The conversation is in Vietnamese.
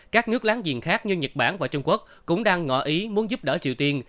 các nước láng giềng khác như nhật bản và trung quốc cũng đang ngọ ý muốn giúp đỡ triều tiên